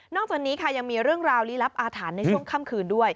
จากนี้ค่ะยังมีเรื่องราวลี้ลับอาถรรพ์ในช่วงค่ำคืนด้วย